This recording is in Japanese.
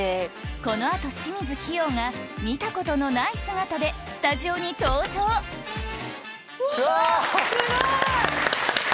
この後清水希容が見たことのない姿でスタジオに登場わぁ！